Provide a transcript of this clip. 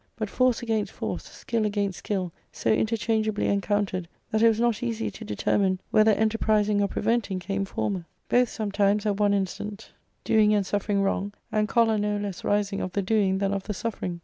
But force against force, skill against skill, so interchangeably encountered that it was not easy to determine whether enterprising or preventing came former ; both, sometimes at one instant, doing and suffering Arcadia,— Book in. 327 Wrong, and choler no less rising of the doing than of the suffering.